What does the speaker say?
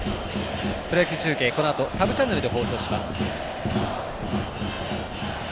プロ野球中継、このあとサブチャンネルで放送します。